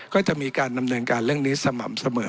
ก็จะมีการดำเนินการเรื่องนี้สม่ำเสมอ